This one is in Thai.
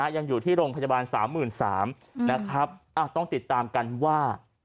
ยังอยู่ที่โรงพยาบาล๓๓๐๐นะครับต้องติดตามกันว่า